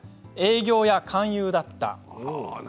営業や勧誘だった。